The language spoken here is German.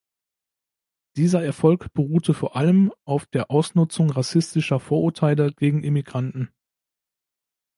Dieser Erfolg beruhte vor allem auf der Ausnutzung rassistischer Vorurteile gegen Immigranten.